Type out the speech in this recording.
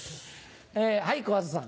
はい小朝さん。